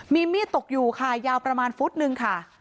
มีมีดตกอยู่ค่ะยาวประมาณฟุตนึงค่ะ